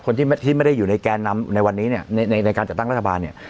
คนที่ที่ไม่ได้อยู่ในแกนนำในวันนี้เนี่ยในในการจัดตั้งรัฐบาลเนี่ย